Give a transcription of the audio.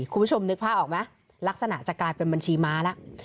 คุณผู้ชมนึกภาพออกไหมลักษณะจะกลายเป็นบัญชีม้าแล้ว